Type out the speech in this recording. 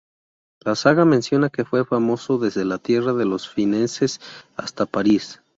La saga menciona que fue famoso desde la tierra de los fineses hasta París.